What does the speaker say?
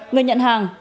người nhận hàng